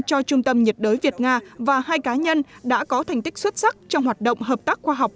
cho trung tâm nhiệt đới việt nga và hai cá nhân đã có thành tích xuất sắc trong hoạt động hợp tác khoa học